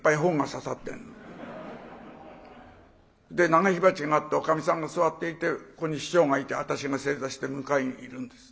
長火鉢があっておかみさんが座っていてここに師匠がいて私が正座して向かいにいるんです。